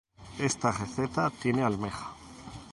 Esta receta tiene almeja.